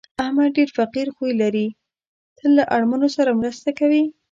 احمد ډېر فقیر خوی لري، تل له اړمنو سره مرسته کوي.